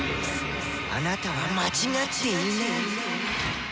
あなたは間違っていない」。